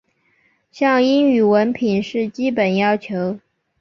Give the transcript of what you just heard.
像英语文凭是基本要求。